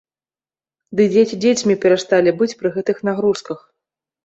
Ды дзеці дзецьмі перасталі быць пры гэтых нагрузках!